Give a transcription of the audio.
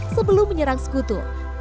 sebelum menyerang sekutu